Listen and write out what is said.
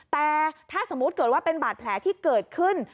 แต่ถ้าสมมุติเกิดว่าเป็นบาดแผลที่เกิดขึ้น